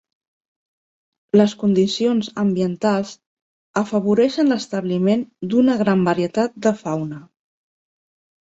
Les condicions ambientals afavoreixen l'establiment d'una gran varietat de fauna.